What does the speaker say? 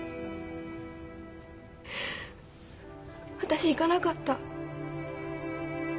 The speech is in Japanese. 私行かなかった。